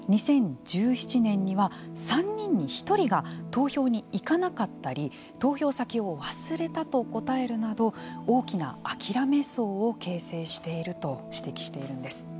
２０１７年には３人に１人が投票に行かなかったり投票先を忘れたと答えるなど大きなあきらめ層を形成していると指摘しているんです。